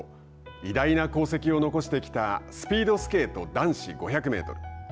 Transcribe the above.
偉大な功績を残してきたスピードスケート男子５００メートル。